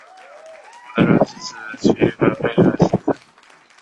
古德伦之子齐格菲的妻子。